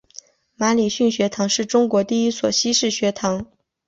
马礼逊学堂是中国第一所西式学堂。